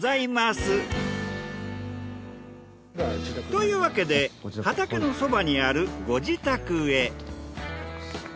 というわけで畑のそばにあるご自宅へ。